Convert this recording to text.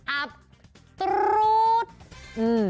อับตรู๊ดอืม